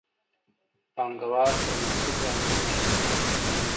پانګوال پرمختللي او نوي ماشینونه کارخانو ته راوړي